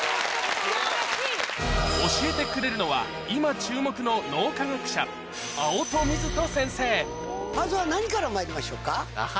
教えてくれるのは今注目のまずは何からまいりましょうか？